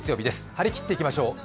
張り切っていきましょう。